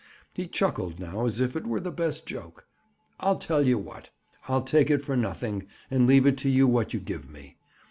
He chuckled now as if it were the best joke. "I'll tell you what—I'll take it for nothing, and leave it to you what you give me!"